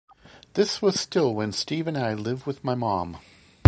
This was still when Steve and I lived with my mom.